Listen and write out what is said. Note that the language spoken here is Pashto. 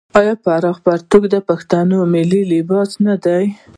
آیا پراخ پرتوګ د پښتنو ملي لباس نه دی؟